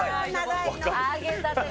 揚げたて。